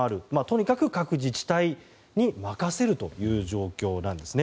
とにかく各自治体に任せるという状況なんです。